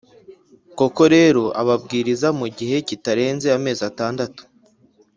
Koko rero ababwiriza mu gihe kitarenze amezi atandatu